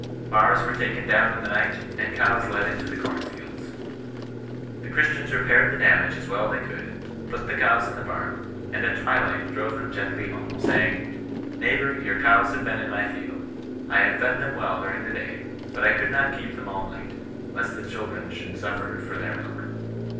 Bars were taken down in the night, and cows let into the corn fields. The Christians repaired the damage as well as they could, put the cows in the bam, and at twilight drove them gently home ; saying, * Neighbour, your cows have been in my field. I have fed them well during the day, but I would not keep them all night, lest the children should suffer for their milk.'